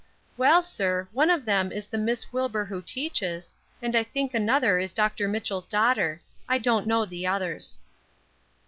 "Well, sir, one of them is the Miss Wilbur who teaches, and I think another is Dr. Mitchell's daughter. I don't know the others."